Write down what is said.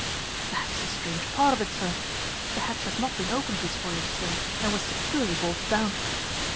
"That is the strange part of it, sir. The hatch has not been opened this voyage, sir, and was securely bolted down."